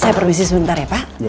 saya perbisi sebentar ya pak